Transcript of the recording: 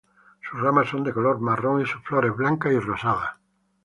Sus ramas son de color marrón y sus flores blancas y rosadas.